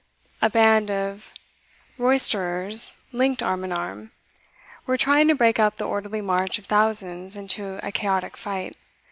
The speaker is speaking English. A band of roisterers, linked arm in arm, were trying to break up the orderly march of thousands into a chaotic fight.